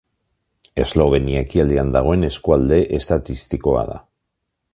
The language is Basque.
Eslovenia ekialdean dagoen eskualde estatistikoa da.